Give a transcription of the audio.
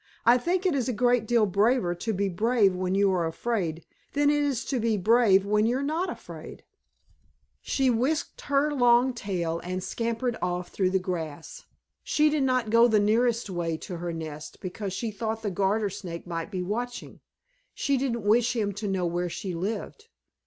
"I think it is a great deal braver to be brave when you are afraid than it is to be brave when you're not afraid." She whisked her long tail and scampered off through the grass. She did not go the nearest way to her nest because she thought the Garter Snake might be watching. She didn't wish him to know where she lived.